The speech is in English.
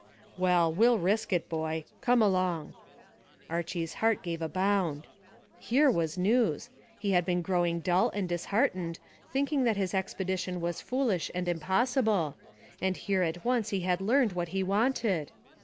"Well, we'll risk it, boy. Come along." Archy's heart gave a bound. Here was news! He had been growing dull and disheartened, thinking that his expedition was foolish and impossible, and here at once he had learned what he wanted.